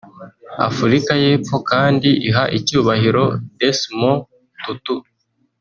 Afurika y’Epfo kandi iha icyunahiro Desmond Tutu